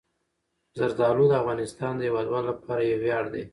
زردالو د افغانستان د هیوادوالو لپاره یو ویاړ دی.